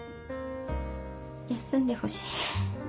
休んでほしい。